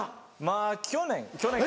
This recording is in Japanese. まぁ去年？